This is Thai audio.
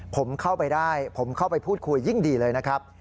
ผมเข้าไปได้ผมเข้าไปพูดคุยยิ่งดีเลยนะครับ